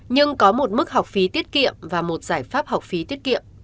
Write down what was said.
nhưng có một mức học phí tiết kiệm và một giải pháp học phí tiết kiệm